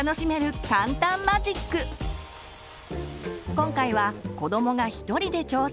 今回は子どもが一人で挑戦。